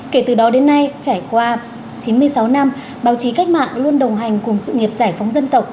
kể từ đó đến nay trải qua chín mươi sáu năm báo chí cách mạng luôn đồng hành cùng sự nghiệp giải phóng dân tộc